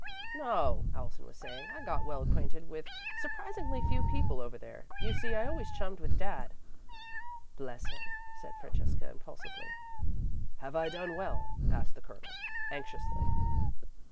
"No," Allison was saying, "I got well acquainted with surprisingly few people over there. You see, I always chummed with Dad." "Bless him," said Francesca, impulsively. "Have I done well?" asked the Colonel, anxiously.